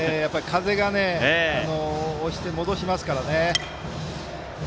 風が押して戻しますからね。